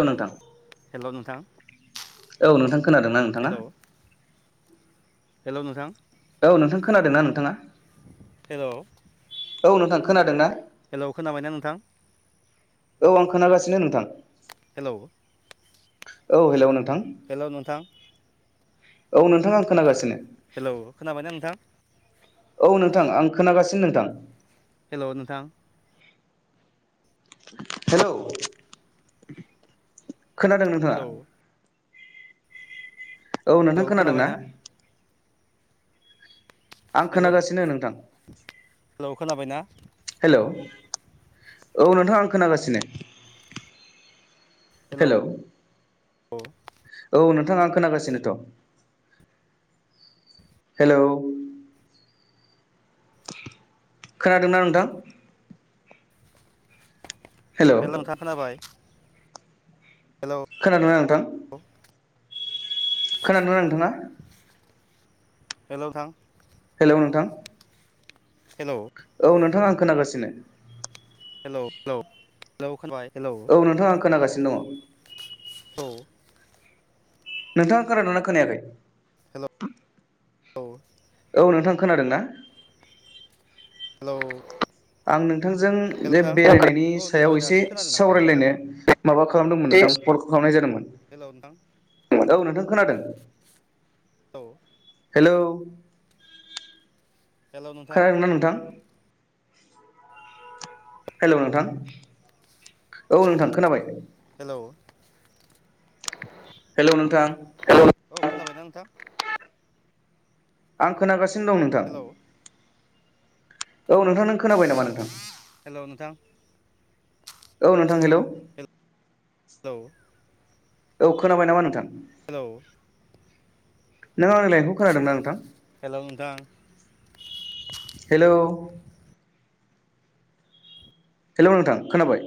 अ नोंथां। हेल' नोंथां औ नोंथां खोनादोंना नोंथाङा? हेलौ नोंथां औ नोंथां खोनादोंना नोंथाङा? औ नोंथां खोनादों ना? हेलौ खोनाबायना नोंथां? औ आं खोनागासिनो नोंथां। औ हेलौ नोंथ हेल' नोंथां औ नोंथां आं खोनागासिनो। हेल' खोनाबायना नोंथां? औ नोंथां आं खोनागासिनो नोंथां। हेल' नोंथां हेल' खोनादों नोंथाङा? औ नोंथां खोनादों ना? आं खोनागासिनो नोंथां। औ औ नोंथां आं खोनागासिनो। हेल' अ औ नोंथां आं खोनागासिनोथ' हेलौ खोनादोंना नोंथां? हेलौ हेल नोथां खोनाबाय खोनादोंना नोंथां खोनादों ना नोंथा हेल नोंथां हेल नोंथां हेलौ औ नोंथां आं खोनागासिनो हेल हेल हेल खोनाबाय औ नोंथाङा आं खोनागासिनो दङ द [inaudible] नोंथाङा खोनादोंना खोनायाखै हेल' औ औ नोंथां खोनादों ना हेल आं नोंथांजों बे बेरायनायनि सायाव एसे सावरायलायनो माबा खालामदोंमोन नों नोंथां कलखौ खालामनाय जादोंमोन हेल' नोंथां औ नोंथां खोनादों हेल खोनादोंना नोंथां हेलौ नोंथां औ नोंथां खोनाबाय हेल' हेल' नोंथां औ खोनाबायना नोंथां आं खोनागासिनो दं नोंथां औ नोंथां नों खोनाबाय नामा नोंथां औ नोंथां हेल हेलौ औ खोनाबाय नामा नोंथां हेल नों आंनि लाइरायनायखौ खोनादोंना नोंथां हेलौ हेल' नोंथां खोनाबाय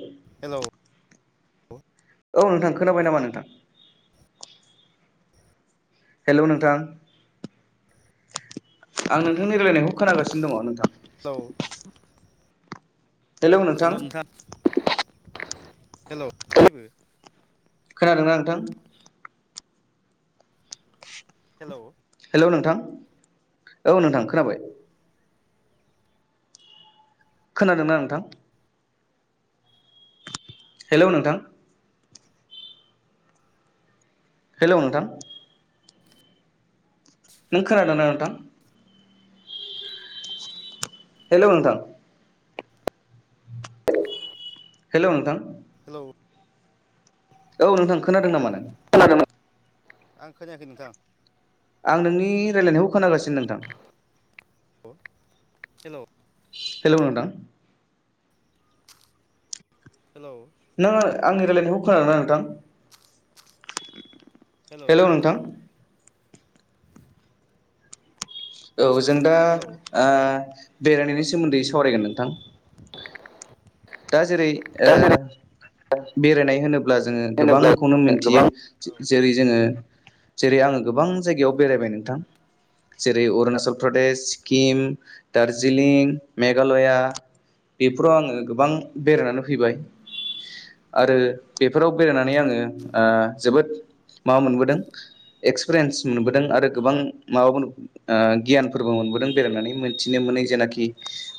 औ नोंथां खोनाबाय नामा नोंथां हेल' नोंथां आं नोंथांनि रायलायनायखौ खोनागासिनो दङ नोंथां हेल हेल' नोंथां हेल' बेबो खोनादोंना नोंथां हेल हेलौ नोंथां औ नोंथां खोनाबाय खोनादोंना नोंथां हेल' नोंथां हेलौ नोंथां नों खोनादोंना नोंथां हेलौ नोंथां [unintelligible] हेलौ नोंथां हेलौ औ नोंथां खोनादों नामा नों आं खोनायाखै नोंथां आं नोंनि रायलायनायखौ खोनागासिनो नोंथां हेलौ हेल' नोंथां। हेल' नों आंनि रायलाय नायखौ खोनादोंना नोंथां? हेल' नोंथां। औ जों दा ओ बेराय नायनि सोमोन्दै सावरायगोन नोंथां। दा जेरै जेरै ओ बेरायनाय होनोब्ला जोङो गोबां होनोब्ला खौनो मोनथियो गोबां जेरै जोङो जेरै आङो गोबां जायगायाव बेरायबाय नोंथां। जेरै अरुणाचल प्रदेश, सिकिम, दार्जिलिं, मेघालया बेफोराव आङो गोबां बेरायनानै फैबाय। आरो बेफोराव बेरायनानै आङो ओ जोबोद माबा मोनबोदों एक्स पिरियेन्स मोनबोदों आरो गोबां माबा ओन गियान फोरबो मोन मोनबोदों बेरायनानै मोनथिनो मोनै जेनाखि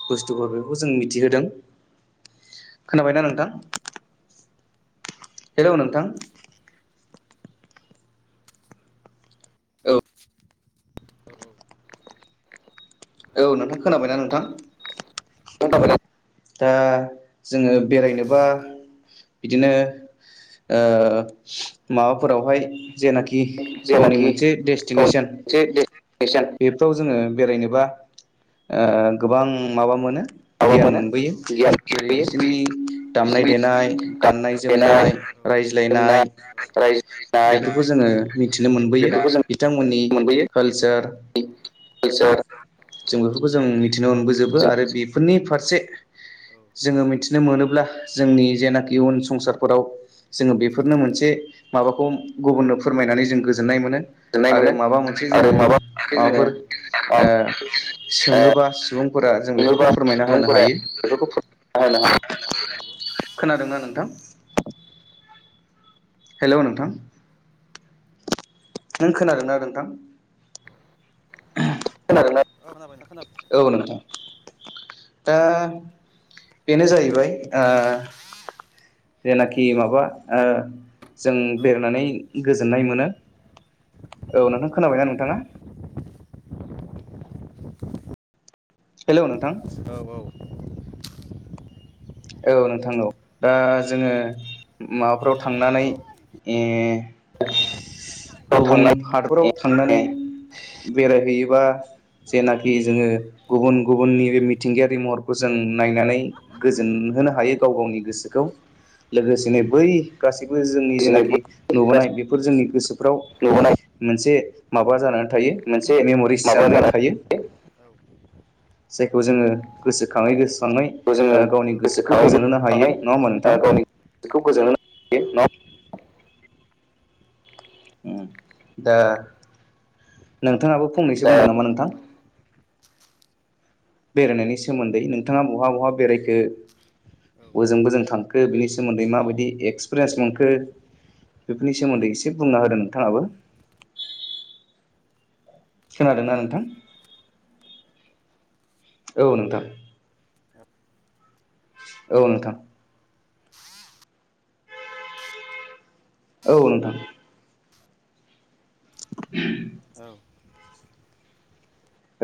बुसथु फोर बेखौ जों मिथिहोदों। खोनाबायना नोंथा? हेल' नोंथां। औ। औ नोंथां खोना बायनाा नोंथां? थाबाय दा जोङो बेरायनो बा बिदिनो ओ माबाफोराव हाय जेनाखि गावनि जेनाखि मोनसे डेस्टि गावनि नेसन मोनसे डेस्टिनेसन बेफोराव जोङो बेराय नोबा ओ गोबां माबा मोनो गियान मोनो। फयो गियान जेरै होयो बिसोरनि दामनाय बिसोरनि देनाय गाननाय देनाय जोमनाय जोमनाय रायज्लायनाय रायजो जानाय बेफोरखौ जोङो मिथिनो मोनबोयो बेफोरखौ जों बिथां मोननि कालसार एस [inaudible] जों बेफोरखौ जों मिथिनो मोनबो जोबो जों आरो बेफोरनि फारसे जोङो मिथिनो मोनोब्ला जोंनि जेनाखि उन संसार फोराव जोङो बेफोरनो मोनसे माबाखौ गुबुननो फोरमाय नानै जों गोजोननाय मोनो। गोजोननाय आरो मोनो माबा मोनसे आरो जोङो माबा मोनसे माबा फोर जोङो ओ सोङोबा सुबुंलफोरा जों नुयोबा बेफोरखौ फोरमायना होनो सुबुंफोरा हायो। बेफोरखौ फोरमायना खोनादोंना नोंथां [unintelligible] हेल' नोंथां। नों खोनादोंना नोंथां? खोनादोंना औ नोंथां। दा बेनो जाहैबाय ओ जेनाखि माबा ओ जों बेरायनानै गोजोननाय मोनो औ नोंथां खोना बायना नोंथाङा? हेल' नोंथां। औ नोंथां औ दा जोङो माबाफ्राव थांनानै इ बेयाव गुबुन थांनाय हादराव थांनानै बेराय हैयोबा जेनाखि जोङो गुबुन गुबुन नि बे मिथिंगायारि महरखौ जों नायनानै गो जोन होनो हायो गाव गावनि गोसोखौ। लोगोसेनो बै गासैबो जोंनि जेनाखि नुबोनाय बेफोर जोंनि गोसोफ्राव नुबोनाय मोनसे माबा जानानै थायो मोनसे मेम'रिस जानानै थायो। जायखौ जोङो गोसो खाङै गोसो खाङै खौ जोङो ओ गावनि गोसोखौ गोसोखाङै गोजोन होनो हायो मोजाङै नङा होनबा नोंथां? गावनि गोसोखौ गोजोनहोनो हायो नङा होमबा? ओम दा नोंथाङाबो फंनैसो दा बुंदों नामा नोंथां। बेराय नायनि सोमोन्दै नोंथाङा बहा बहा बेरायखो? बोजों बोजों थांखो बिनि सोमोन्दै माबायदि एक्सपिरियेन्स मोनखो बेफोरनि सोमोन्दै एसे बुंना होदों नोंथाङाबो खोनादोंना नोंथां औ नोंथां औ नोंथां औ नोंथां [inaudible]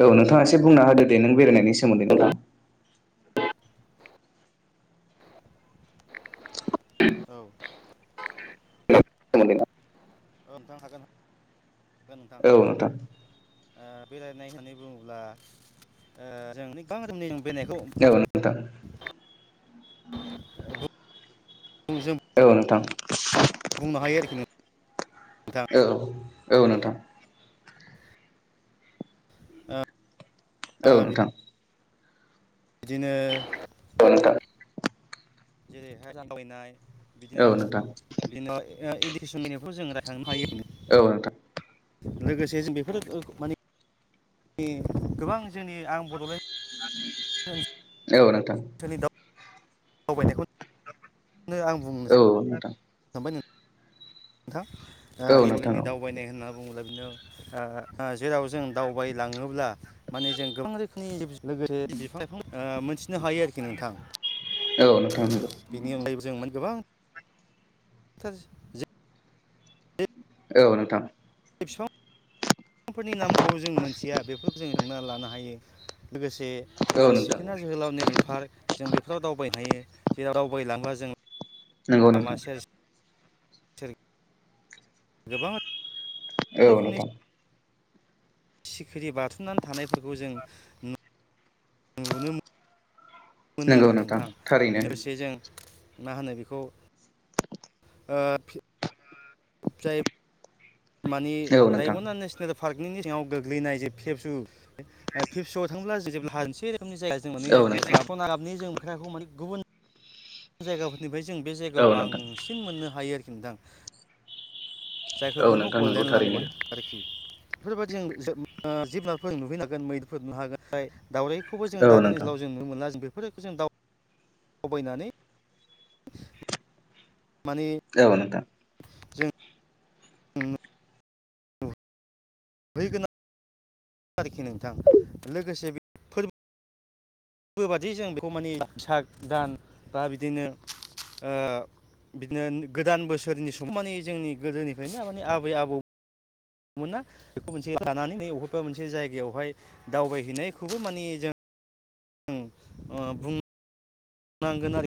औ नोंथाङा एसे बुंना होदो दे नों बेरायनायनि सोमोन्दै नोंथां औ नोंथां हागोन हागोन नोंथां ओ बेरायनाय होननानै बुङोब्ला ओ जों गोबां रोखोमनि बेरायनायखौ औ नोंथां औ नोंथां बुंनो हायो आरोखि नों ओ औ औ नोंथां ओ औ नोंथां बिदिनो औ नोंथां जेरैहाय दावबबायनाय औ बिदिनो नोंथां बिदिनो इदि [unintelligible] किसुमानखौ जों रायखांनो हायो औ नोंथां लोगोसे जों बेफोरो माने ओ गोबां जोंनि आं बड'लेण्ड औ नोंथां दावबायनायखौ आं बुंनो औ सानबाय नोंथां ओ नोंथां दावबायनाय होनना बुङोब्ला बिदिनो ओ जेराव जों दावबायलाङोब्ला माने जों गोबां रोखोमनि लोगोसे बिफां लाइफां मोनथिनो हायो आरोखि नोंथां औ नंगौ बेनि अनगायैबो जों गोबांथार औ नोंथां बिफांफोरनि नामखौ जों मोनथिया बेफोरखौ जों रोंनानै लानो हायो लोगोसे औ नोंथां सिखोना जोहोलाव नेसनेल पार्क जों बेफोराव दावबायनो हायो जेराव दावबायलांबा जों नोंगौ नोंथां गोबां औ नोंथां सिखिरि बाथुमनानै थानायफोरखौ जों नु नुनो मो मोनो नंगौ आरोखि नोंथां बे थारैनो लोगोसे जों मा होनो बिखौ ओ जायब मानि औ नोंथां रायमना नेसनेल पार्कनि सिङाव गोग्लैनाय जे फेबसु ओ फिबसुआव थांब्ला जेरैबो हानसे रोखोमनि जाया जों औ जाय नोंथां जों गाबनि जों मोख्राखौ माने गुबुन जायगाफोरनिफ्राय जों बे औ जायगायाव नोंथां बांसिन मोननो हायो आरोखि नोंथां जायखो औ बुंङो नोंथां नंगौ गल्डेन थारैनो लांगुर आरोखि बेफोरबायदि जों जि ओ जुनारफोर नुहैनो हागोन मैदेरफोर नुनो हागोन एमफाय दावरायखौबो जों औ दानि नोंथां ओनसोलाव जों नुनो मोनला जों बेफोरखौ जों दाव बायनानै औ नोंथां जों बैगोना आरोखि नोंथां लोगोसे बे फोरब बो बादि जों बेखौ माने साग दान बा बिदिनो ओ बिदिनो गोदान बोसोरनि समाव माने जोंनि गोदोनिफ्रायनो माने आबै आबौ मोना बेखौ मोनसे थानानै नै बबेबा मोनसे जायगायावहाय दावबायहैनायखौबो माने जों जों ओ बुं नांगोन आरोखि